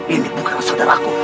ini bukan saudaraku